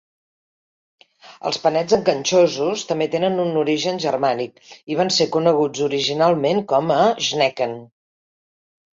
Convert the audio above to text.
Els panets enganxosos també tenen un origen germànic i van ser coneguts originalment com a "Schnecken".